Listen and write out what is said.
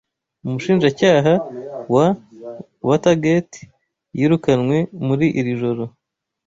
Umushinjacyaha wa Waterigate yirukanwe muri iri joro